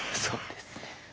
そうですね。